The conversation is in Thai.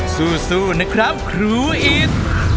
สู้นะครับครูอิด